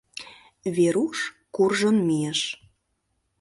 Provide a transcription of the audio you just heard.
Веруш куржын мийыш.